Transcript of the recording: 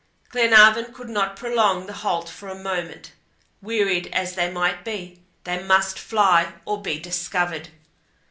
Glenarvan could not prolong the halt for a moment. Wearied as they might be, they must fly or be discovered.